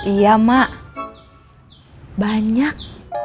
iya emak banyak